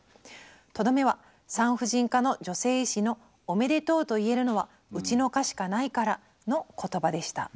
とどめは産婦人科の女性医師の『おめでとうと言えるのはうちの科しかないから』の言葉でした」。